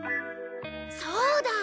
そうだ！